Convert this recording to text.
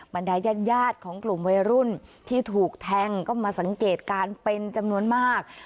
บรรดายญาติของกลุ่มวัยรุ่นที่ถูกแทงก็มาสังเกตการณ์เป็นจำนวนมาก